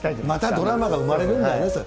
またドラマが生まれるんだね。